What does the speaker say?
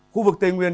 khu vực tây nguyên